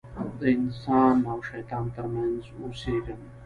د انسان او شیطان تر منځ اوسېږم.